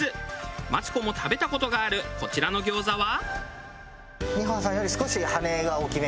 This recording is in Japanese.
マツコも食べた事があるこちらの餃子は。